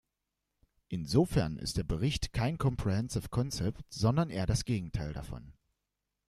Insofern ist der Bericht kein comprehensive concept, sondern eher das Gegenteil davon.